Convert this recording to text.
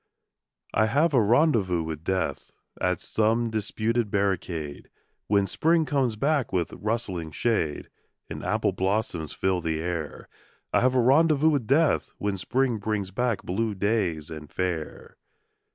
. I have a rendezvous with Death At some disputed barricade, When Spring comes back with rustling shade And apple blossoms fill the air I have a rendezvous with Death When Spring brings back blue days and fair.